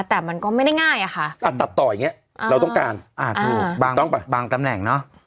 แต่มันก็ไม่ได้ง่ายอะค่ะตัดต่ออย่างเงี้ยเราต้องการอ่าถูกบางต้องไปบางตำแหน่งเนอะ